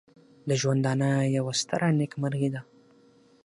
د ژوندانه یوه ستره نېکمرغي ده.